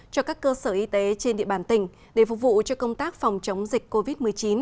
cho các cơ sở y tế trên địa bàn tỉnh để phục vụ cho công tác phòng chống dịch covid một mươi chín